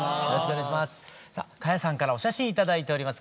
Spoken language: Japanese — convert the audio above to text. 花耶さんからお写真頂いております。